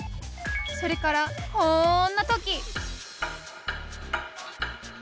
それからこんな時！